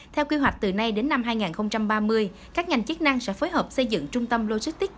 theo quy hoạch từ nay đến năm hai nghìn ba mươi các ngành chức năng sẽ phối hợp xây dựng trung tâm logistics